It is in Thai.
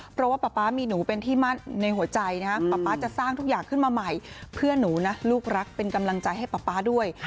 เพราะว่าป๊าป๊ามีหนูเป็นที่มั่นในหัวใจนะป๊าป๊าจะสร้างทุกอย่างขึ้นมาใหม่เพื่อหนูนะลูกรักเป็นกำลังใจให้ป๊าป๊าด้วย